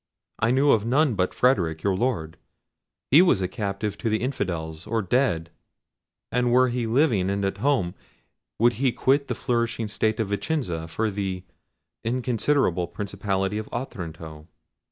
I knew of none but Frederic, your Lord; he was a captive to the infidels, or dead; and were he living, and at home, would he quit the flourishing State of Vicenza for the inconsiderable principality of Otranto?